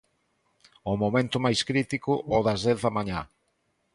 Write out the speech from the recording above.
O momento máis crítico, o das dez da mañá.